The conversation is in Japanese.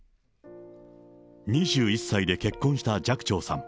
２１歳で結婚した寂聴さん。